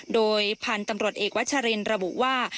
โดยพันธุ์ตำรวจเอกวัชรินระบุว่า